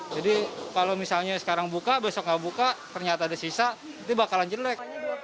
jadi kalau misalnya sekarang buka besok nggak buka ternyata ada sisa itu bakalan jelek